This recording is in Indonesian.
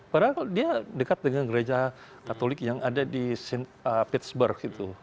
padahal dia dekat dengan gereja katolik yang ada di pitsburg gitu